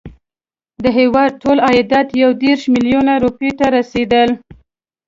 د هیواد ټول عایدات یو دېرش میلیونه روپیو ته رسېدل.